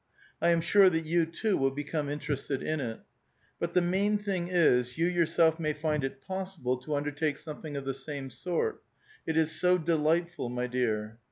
I am sure that vou too will become interested in it. But the main thing is, you yourself may find it possible to undertake some thing of the siime sort. It is so delightful, my dear.